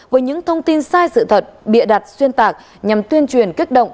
với những thông tin sai sự thật bịa đặt xuyên tạc nhằm tuyên truyền kích động